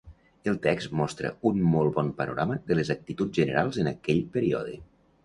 El text mostra un molt bon panorama de les actituds generals en aquell període.